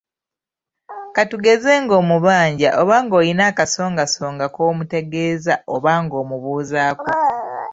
Ka tugeze ng’omubanja oba ng’olina akasongasonga k’omutegeeza oba ng’omubuuzaako.